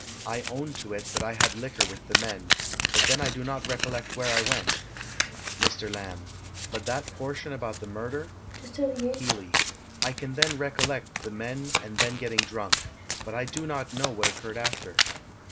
I own to it that I had liquor with the men, but then I do not recollect where I went. Mr. Lamb: But that portion about the murder? Healey: I can then recollect the men and then getting drunk, but I do not know what occurred after.